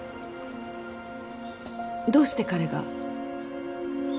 どうして彼が？